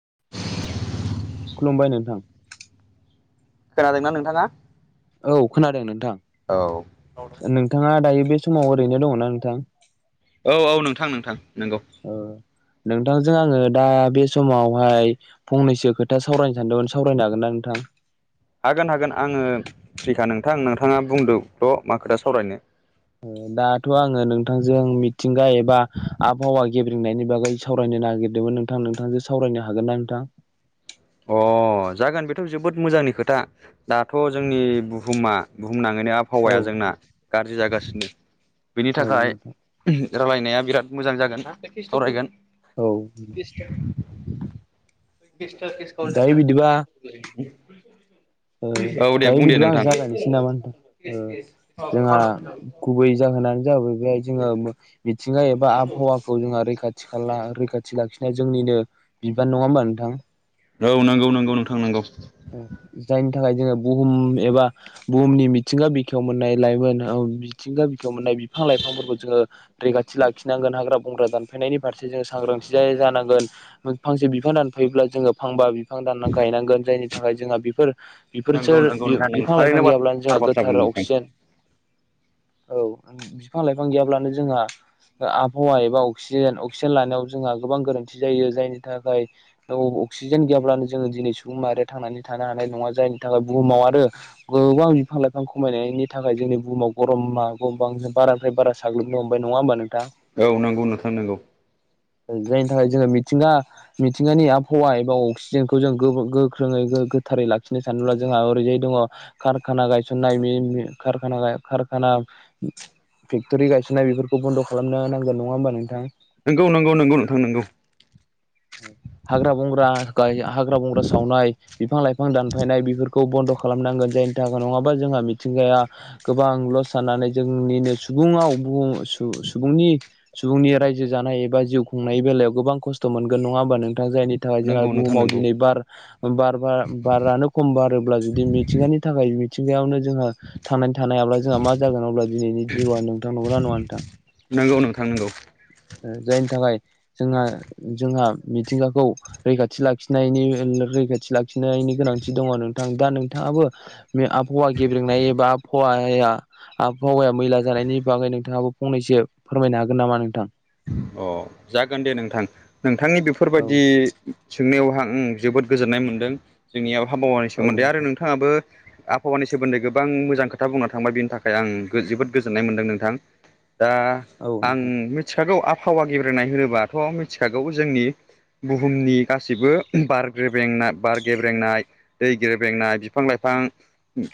[inaudible] खुलुमबाय नोंथां खोनादोंना नोंथाङा औ खोनादों नोंथां औ नोंथाङा दायो बे समाव ओरैनो दङना नोंथां औ औ नोंथां नोंथां नंगौ ओ नोंथांजों आङो दा बे समावहाय फंनैसो खोथा सावरायनो सानदोंमोन सावरायनो हागोन ना नोंथां [inaudible] हागोन हागोन आङो फ्रिखा नोंथां नोंथाङा बुंदोंल' मा खोथा सावरायनो दाथ' आङो नोंथांजों मिथिंगा एबा आबहावा गेब्रेंनायनि बागै सावरायनो नायगिरदोंमोन नोंथां नोंथांजों सावरायनो हागोनना नोंथां अह जागोन बेथ' जोबोद मोजांनि खोथा दाथ' जोंनि बुहुमा बु बुहुमनाङैनो औ आबहावाया जोंना गाज्रि जागासिनो बेनि औ थाखाय नोंथां रायलायनाया बिराद मोजां जागोन सावरायगोन औ दायो बिदिबा [unintelligible] ओ औ दे दायो बुं दे बिदिबा आं नोंथां जागायनोसै नामा नोंथां जोंहा गुबै जाहोना जाहैबाय जोङो मिथिंगा एबा आबहावाखौ जों रैखाथि खाला रैखाथि लाखि जोंनिनो बिबान नङा होमबा नोंथां? औ नंगौ नंगौ नोंथां नंगौ जायनि थाखाय जोङो बुहुम एबा बुहुमनि मिथिंगा बिखायाव मोननाय लाइमोन औ मिथिंगा बिखायाव मोननाय बिफां-लाइफां जोङो रैखाथि लाखिनांगोन हाग्रा बंग्रा दानफायनायनि फारसे जोङो सांग्रांथि जानांगोन। फांसे बिफां दानफायोब्ला जोङो फांबा बि फां दानना गायनांगोन जायनि थाखाय जोंहा बेफोर नंगौ बेफोरसो नंगौ नोंथां नों बि-बिफां लाइफां थारैनो बा गैयाब्लानो थार जोंहा बाथ्रा गोथार बुंदों नोंथां अक्सिजेन औ बि-बिफां लाइफां गैयाब्लानो जोंहा ओ आबहावा एबा अक्सिजेन अक्सिजेन लानायाव जोंहा गोबां गोरोन्थि जायो जायनि थाखाय अ अक्सिजेन गैयाब्लानो जोङो दिनै सुबुं माहारिया थांनानै थानो हानाय नङा जायनि थाखाय बुहुमाव आरो गोबां बिफां लाइफां खमायनायनि थाखाय जोंनि बुहुमाव गरमा [unintelligible] बारानिफ्राय बारा साग्लोबनो हमबाय नङा होमबा नोंथां? औ नंगौ नोंथां नंगौ जायनि थाखाय जोङो मिथिंगा मिथिंगानि आबहावा एबा अक्सिजेनखौ जों गो गो ख्रोङै गो-गोथारै लाखिनो सानोब्ला जोंहा ओरैजाय दङ' कारखाना गायसननाय [unintelligible] कारखाना गा कारखाना फेक्ट'रि गायसननाय बेफोरखौ बन्द' खालामनो नांगोन नङा होमबा नोंथां? [inaudible] नंगौ नंगौ नंगौ नोंथां नंगौ हाग्रा बंग्रा गाय हाग्रा बंग्रा बिफां-लाइफां दानफायनाय बेफोरखौ बन्द' खालामनांगोन जायनि थाखाय नङाबा जोंहा मिथिंगाया गोबां लस जानानै जोंनिनो सुबुंआव बुं सु-सुबुंनि सुबुंनि रायजो जानाय एबा बा जिउ खुंनायनि बेलायाव गोबां खस्थ' मोनगोन नङा होमबा नोंथां जायनि थाखाय जोंहा नंगौ नोंथां बुहुमाव नंगौ दिनै बार बार बार बारानो खम बारोब्ला जुदि मिथिंगानि थाखाय मिथिंगायावनो जोंहा थांनानै थानायाब्ला जोंहा मा जागोन अब्ला दिनैनि जिउआ नोंथां नंगौना नङा नोंथां? नोंगौ नोंथां नोंगौ [inaudible] जायनि थाखाय जोंहा जोंहा मिथिंगाखौ रैखाथि लाखिनायनि रैखाथि लाखिनायनि गोनांथि दङ' नोंथां दा नोंथाङाबो बे आबहावा गेब्रेंनाय एबा आबहावा हाया आबहावाया मैला जानायनि बागै नोंथाङाबो फंनैसो फोरमायनो हागोन नामा नोंथां? अ जागोन दे नोंथां नोंथांनि औ बेफोरबायदि सोंनायावहा आं जोबोद गोजोननाय मोनदों जोंनियाव आबहावानि औ सोमोन्दै आरो नोंथां नोंथाङाबो आबहावानि सोमोन्दै गोबां मोजां खोथा बुंना थांबाय बिनि थाखाय आं जोबोद गोजोननाय मोनदों नोंथां। दा औ आं नोंथां मिथिखागौ आबहावा गेब्रेंनाय होनोबाथ' मिथिखागौ जोंनि बुहुमनि गासिबो बार गेब्रेंनाय बार गेब्रेंनाय दै गेब्रेंनाय बिफां लाइफ फां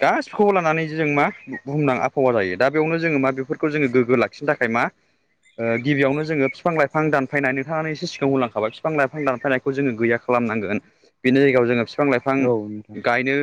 गासिखौबो लानानै जों मा बुंनां आबहावा जायो दा बेयावनो जोङो मा बेफोरखौ जों गोग गो लाखिनो थाखाय मा ओ गिबियावनो जोङो फिफां-लाइफां दानफायनाय नोंथाङानो एसे सिगाङाव बुंलांखाबाय बिफां लाइफां दानफायनायखौ जोङो गैया खालामनांगोन बिनि जायगायाव जोङो फिफां लाइफां औ नोंथां गायनो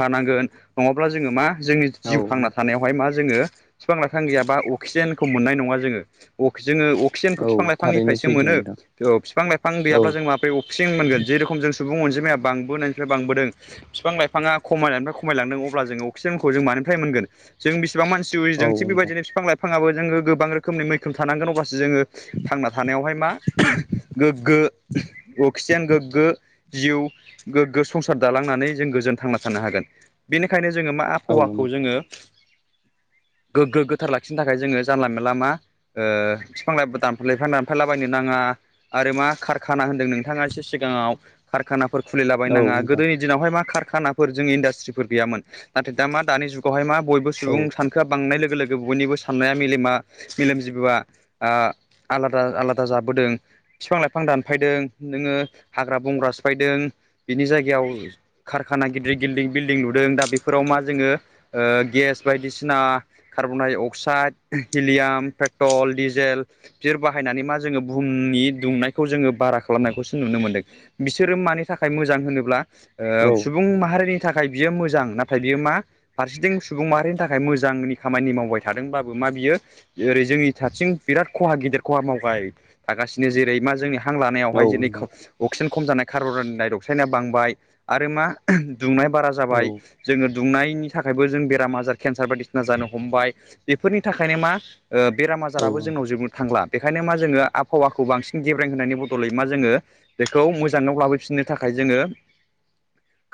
हानांगोन नङाब्ला जोङो मा जोंनि औ जिउ थांना नोंथां थानायावहाय मा जोङो फिफां-लाइफां गैयाबा अक्सिजेनखौ मोननाय नङा जोङो अक जोङो क्सिजेनखौ औ थारैनो फिफां-लाइफांनिफ्रायसो सैथो मोनो नोंथां फिफां-लाइफां औ गैयाब्ला जों माबोरै अक्सिजेन मोनगोन जेरखम जों सुबुं अनजिमाया बांबोनायनिफ्राय बांबोदों फिफां लाइफाङा खमायनायनिफ्राय खमायलांदों अब्ला जोङो अक्सिजेनखौ जों मानो फ्राय मोनगोन जों बेस बां मानसि औ उजिदों थिग नोंथां औ नोंथां बेबायदिनो बिफां लाइफाङाबो गोबां रोखोमनि मैखोमा थानांगोन अब्लासो जोङो थांना थानायावहाय मा गोग्गो अक्सिजेन गोग्गो जिउ गोग्गो संसार दालांनानै जों गो गोजोन थांना थानो हागोन बेनिखायनो जोङो मा औ नोंथां औ नोंथां औ आबहावाखौ नोंथां जोङो गोग्गो गोथार लाखिनो थाखाय जोङो जानला मेला मा ओ बिफां-लाइफ [unintelligible] दानफायलाबायनो नाङा आरो मा कारखाना होनदों नोंथाङा इसे सिगाङाव खाराना फोर औ खुलिलाबायनाङा औ गोदोनि दिनावहाय मा खार खानाफोर जों इडास्ट्रि फोर गैयोन। नाथाय दा मा दानि जुगावहाय मा बयबो सुबुं सानखोआ बांनाय लोगो-लोगो बयनिबो साननाया मेलेमा-मेलेम जिबोआ आं आलादा-आलादा जाबोदों बिफां-लाइफां दानफायदों नोङो हाग्रा-बंग्रा सिफायदों बिनि जायगायाव कारखाना गिदिर गिल्डिं-बिल्डिं लुदों दा बेफोराव मा जोङो ओ गेस बायदिसिना carbon dioxide helium petrol diesel फिर बाहायनानै मा जोङो बुहुमनि दुंनायखौ जोङो बारा खालामनायखौसो नुनो मोनदों बिस सोरो मानि थाखाय मोजां होनोब्ला ओ सुबुं माहारिनि थाख खाय बियो मोजां नाथाय बियो मा फारसेथिं सुबुं माहारिनि थाखाय मोजांनि खामानि मावबाय थादोंब्लाबो मा बियो ओरै जोंनि थाथिं बिराद खहा गिदिर खहा मावगाय थागासिनो जेरै मा जोंनि हां लानायावहाय जेरै अक्सिजेन खम जानाय काररोनडाय रक्सायतनिया बांबाय आरो मा दुंनाया बारा जाबाय जोङो दुंनायनि थाखायबो जों बेराम आजार केन्सार बायदिसिना जानो हमबाय बेफोरनि थाखायनो मा ओ बेराम आजाराबो जोंनाव जोबनो थांला। बेखायनो मा जोङो आबहावाखौ बांसिन गेब्रें होनायनि बदलै मा जोङो बेखौ मोजाङाव लाबोफिननो थाखाय जोङो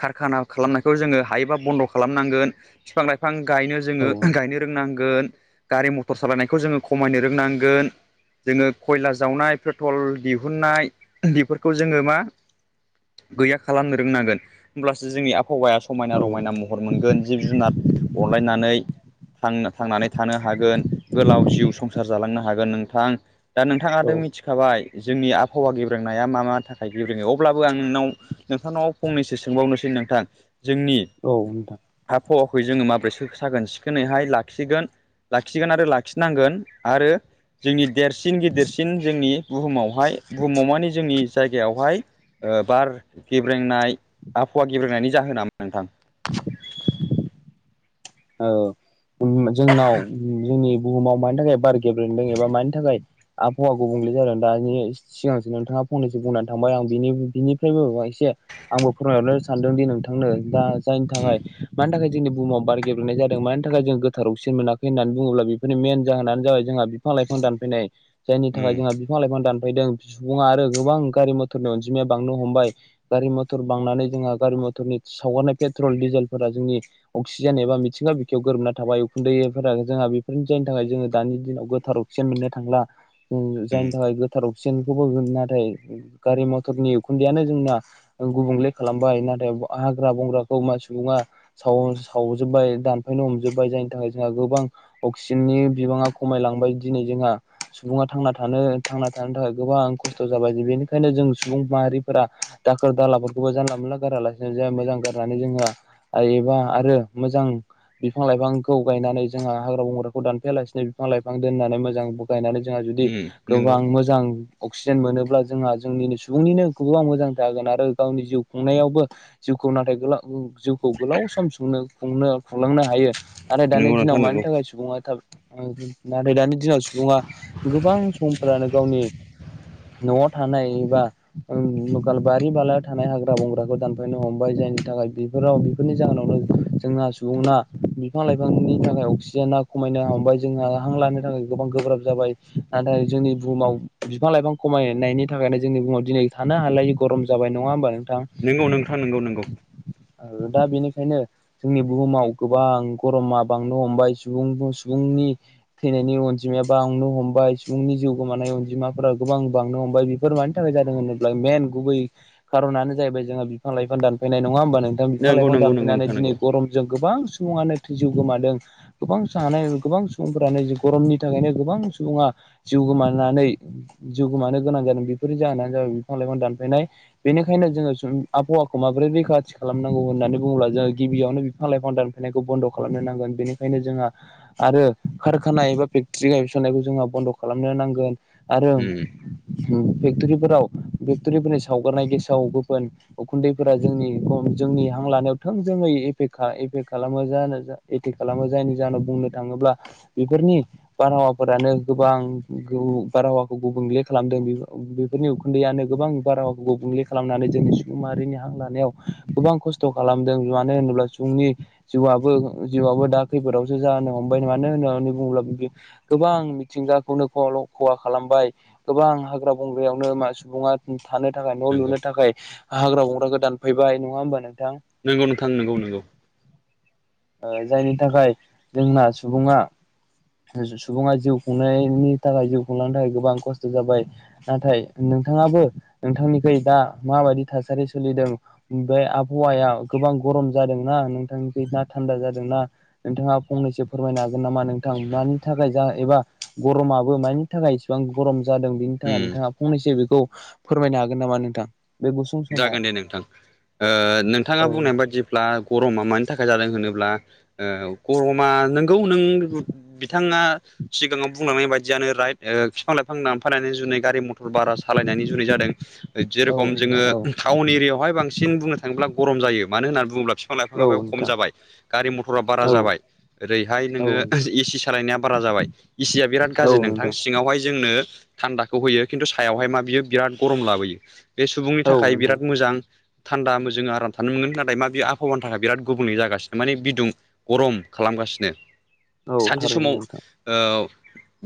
कारखाना खालामनायखौ जोङो हायोबा बन्द' खालामनांगोन बिफां-लाइफां गायनो जोङो औ गायनो रोंनांगोन गारि मथर सालायनायखौ जोङो खमायनो रोंनांगोन। जोङो खयला जावनाय पेट्रल दिहुननाय बेफोरखौ जोङो मा गैया खालामनो रोंनांगोन होमब्लासो जोंनि आब हावाया समायना-रमायना महर मोनगोन जिब-जुनार अनलायनानै थां थांनानै थानो हागोन गोलाव जिउ संसार जालांनो हागोन नोंथां। दा औ नोंथाङाथ' मिथिखाबाय। जोंनि आबहावा गेब्रोंनाया मा-मा थाखाय गेब्रोङै अब्लाबो आं नोंनाव नोंथांनाव फंनैसो सोंबावनोसै। नोंथां जोंनि‌ औ नोंथां हाब हवाखै जोङो माबोरै सो साखोन-सिखोनैहाय लाखिगोन लाखिगोन आरो लाखिनांगोन आरो जोंनि देरसिन गिदेरसिन जोंनि बुहुमावहाय बुहुमाव माने जोंनि जायगायावहाय ओ बार गेब्रेंनाय आबहावा गेब्रेंनायनि जाहोना मा नोंथां? ओ [unintelligible] जोंनाव जोंनि बुहुमाव मानि थाखाय बार गेब्रेेनदों एबा मानि थाखाय आबहावा गुबुंले जादों दानि सिगांसो नोंथाङा फंनैसो बुंनानै थांबाय आं बिनि बिनिफ्रायबो एसे आंबो फोरमायहरनो सानदों दि नोंथांनो दा जायनि उम थाखाय मानि थाखाय जोंनि बुहुमाव बारगेब नाय जादों मानि थाखाय जों गोथारावसिन मोनाखै होन्नानै बुङोब्ला बेफोरनि मेन जाहोनानो जाबाय जोंहा बिफां-लाइफां दानफायनाय। जायनि थाखाय उम जोंहा बिफां-लाइफां दान फायदों सुबुङा आरो गोबां गारि-मथरनि अनजिमाया बांनो हमबाय गारि मथर बांनानै जोंहा गारि मथरनि सावगारनाय पेट्रल डिजेलफोरा जोंनि अक्सिजेन एबा मित मिथिंगा बिखायाव गोरोबना थाबाय उखुन्दैफोरा जोंहा बेफोरनि जायनि थाखाय जोङो दानि दिनाव गोथार अखजिजेन मोननो थांला। उम जायनि गोथार अख अक्सिजेनखौबो नाथाय गारि मथरनि उखुन्दैयानो जोंना गुबुंले खालामबाय नाथाय हाग्रा बंग्राखौ मा सुबुङा साव-सावजोब्बाय। दानफायनो हमजोबबाय जायनि थाखाय जोंहा गोबां अक्सिजेननि बिबाङा खमायलांबाय दिनै जोंहा सुबुङा थांना थानो थांना थानो थाखाय गोबां खस्थ' जाबाय जे बेनिखायनो जों सुबुं माहारिफोरा दाखो खोर दालाफोरखौबो जानला मोनला गारालासिनो जे मोजां गारनानै जोङो एबा आरो मोजां बिफां-लाइफांखौ गायनानै जोंहा हाग्रा बंग्राखौ दानफायालासिनो बिफां-लाइफां दोननानै मोजां गायनानै जोंहा जुदि उम नंगौ गोबां मोजां अक्सिजेन मोनोब्ला जोंहा जोंनिनो सुबुंनिनो गोबां मोजां जागोन आरो गावनि जिउ खुंनायावबो जिउ खौ नाथाय गोला जिउखौ गोलाव सम सनो खुंनो खुंलांनो हायो आरो दानि नंगौ दिनाव नोंथां मानि नंगौ थाखाय सुबुङा नाथाय दानि दिनाव सु सुबुङा गोबां समफ्रानो गावनि न'आव थानाय एबा बारि बालायाव थानाय हाग्रा बंग्राखौ दानफायनो हमबाय जायनि थाखाय बेफोराव बेफोरनि जाहोनावनो जोंहा सुबुंङा बिफां लाइफांनि थाखाय अक्सिजेना खमायनो हमबाय जोंहा हां लानो थाखाय गोबां गोब्राब जाबाय नाथाय जोंनि बुहुमाव बिफां लाइफां खमायनायनि थाखायनो जोंनि बुहुमाव दिनै थानो हालायै गरम जाबाय नङा होनबा नोंथां नंगौ नोंथां नंगौ नंगौ दा बेनिखायनो जोंनि बुहुमाव गोबां गरमा बांनो हमबाय सुबुं सुबुंनि थैनायनि अनजिमाया बां नो हमबाय सुबुंनि जिउ गोमानाय अनजिमाफोरा गोबां बांनो हमबाय बेफोर मानि थाखाय जादों होनोब्ला मेन गुबुन खारनानो जाहैबाय जोंहा बिफां लाइफां दानफायनाय नङा होमबा नोंथां बिफां लाइफां नंगौ नंगौ दानफायनानै नोंथां दिनै नंगौ गरम गोबां सुबुङानो थै जिउ गोमादों गोबां सानाय गोबां सुबुंफोरानो गरमनि थाखायनो गोबां सुबुङा जिउ गोमानानै जिउ गोमानो गोनां जादों बेफोरनि जाहोनानो जाबाय बिफां लाइफां दानफायनाय बेनिखायनो जोङो आबहावाखौ माबोरै रैखाथि खालामनांगौ होननानै बुङोब्ला जोङो गिबियावनो बिफां लायफां दानफाय नायखौ बन्द' खालामनो नांगोन बेनिखायनो जोंहा आरो खारखाना एबा फेक्टरी गायसन नायखौ जोहा बन्द' खालामनो नांगोन आरो उम फेक्टरिफोराव फेक्ट'रिफोरनि सावगारनाय गेसाव गोफोन उखुन्दैफोरा जोंनि जोंनि हां लानायाव थोंजोङै एफेख खालामो जायनि जाहोनाव बुंनो थाङोब्ला बेफोरनि बार फोरानो गोबां बारहावाखौ गुबुंले खालामदों बेफोरनि उखुन्दैयानो गोबां बारहावाखौ गुबुंले खालामनानै जोंनि सुबुं माहारिनि हां लानायाव गोबां खस्थ' खालामदों मानो होनोब्ला सुबुंनि जिउआबो जिउआबो दा खैफोदावसो जानो हमबाय मानो होननानै बुङोब्ला गोबां मिथिंगाखौनो खहा खालामबाय गोबां हाग्रा बंग्रायावनो सुबुङा थानो थाखाय न' नंगौ लुनो थाखाय हाग्रा बंग्राखौ दानफायबाय नङा होमबा नोंथां नंगौ नोंथां नंगौ नंगौ ओ जायनि थाखाय जोंना सुबुङा सुबुङा जिउ खुंनायनि थाखाय जिउ खुंलांनो थाखाय गोबां खस्थ' जाबाय नाथाय नों नोंथाङाबो नोंथांनिखै दा माबायदि थासारि सोलिदों बे आबहावायाव गोबां गरम जादोंना नोंथांनि ना थान्दा जादोंना नोंथाङा फंनैसो फोरमायनो हागोन नामा नों थां मानि थाखाय जा एबा गरमाबो मानि थाखाय इसेबां गरम जादों बेनि थाखाय उम नोंथाङा फंनैसो बेखौ फोरमायनो हागोन नामा नोंथां? बे गुसुं समाव जागोन दे नोंथां ओ नोंथाङा औ बुंनाय नोंथां बायदिब्ला गरमा मानि थाखाय जादों होनोब्ला ओ गरमा नोंगौ नों बिथाङा सिगाङाव बुंलांनाय बायदियानो राइट बिफां लाइफां दानफायनायनि जुनै गारि मथर बारा सालायनायनि जुनै जादों औ जेरखम नोंथां जोङो टाउन एरियायावहाय बांसिन बुंनो थाङोब्ला गरम जायो मानो होननानै बुङोब्ला बिफां औ औ लाइफाङाब खम नोंथां जाबाय गारि मथरा बारा औ जाबाय ओरैहाय औ नोङो नोंथां ए सि सालायनाया बारा जाबाय इसिया बिराद गाज्रि नोंथां सिङावहाय जोंनो थान्दाखौ होयो खिन्थु सायावहाय मा बियो बिराद गरम लाबोयो बे सुबुं औ थाखाय नोंथां बिराद मोजां थान्दा जों आराम थानो मोनगोन नाथाय मा बे आबहावानि थाखाय बिराद गुबुंयै जागासिनो माने बिदुं गरम खालाम गासिनो औ सानसे थारैनो समाव नोंथां औ ओ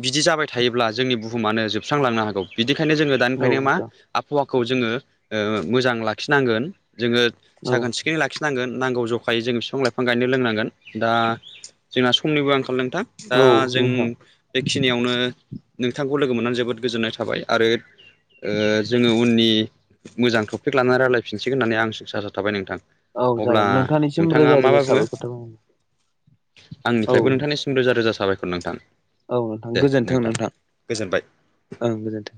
बिदि जाबाय थायोब्ला जोंनि बुहुमानो जोबस्रांलांनो हागौ बिदिखायनो जोङो दानिफ्रायनो मा नोंथां आबहावा खौ जोङो ओ मोजां लाखिनांगोन जोङो औ साखोन सिखोनै लाखिनांगोन नांगौ ज जखायो जोङो बिफां लाइफां गायनो रोंनांगोन दा जोंना समनिबो आंखाल नोंथां दा औ जों नोंथां बेखिनियावनो नोंथांखौ लोगो मोननानै जोबोद गोजोननाय थाबाय आरो ओ जोङो उननि मोजांटपिक लानानै रायलायफिनसिगोन होननानै आं स' थाबाय नोंथां औ अब्ला जागोन नोंथांनिसिम नोंथाङा रोजा रोजा माबा बुंङो साबायखर थाबाय औ आंनिफ्रायबो नोंथांनिसिम रोजा रोजा साबायखर नोंथां औ नोंथां दे गोजोन्थों नोंथां गोजोनबाय ओं गोजोन्थों